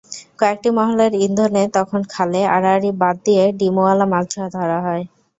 কয়েকটি মহলের ইন্ধনে তখন খালে আড়াআড়ি বাঁধ দিয়ে ডিমওয়ালা মাছ ধরা হয়।